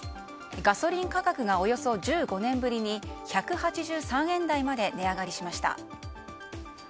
ガソリン価格がおよそ１５年ぶりに１８３円台まで値上がりしました。